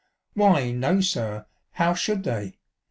" Why, no, sir, how should they